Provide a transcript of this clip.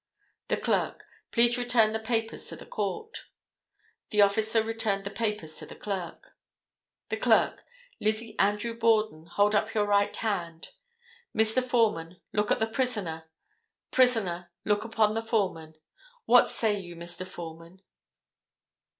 The clerk—Please return the papers to the court. The officer returned the papers to the clerk. The clerk—Lizzie Andrew Borden, hold up your right hand. Mr. Foreman, look upon the prisoner; prisoner, look upon the foreman. What say you, Mr. Foreman.